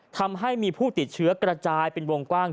ทำให้มีผู้ติดเชื้อกระจายเป็นวงกว้าง